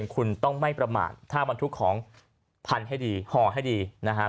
คุณต้องไม่ประมาทถ้าบรรทุกของพันให้ดีห่อให้ดีนะครับ